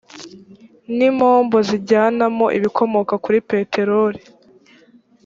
ni impombo zijyanamo ibikomoka kuri peteroli